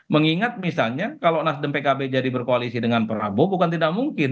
mengingat misalnya kalau nasdem pkb jadi berkoalisi dengan prabowo bukan tidak mungkin